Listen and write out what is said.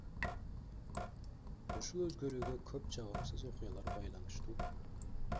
Ушул өзгөрүүгө көп жагымсыз окуялар байланыштуу.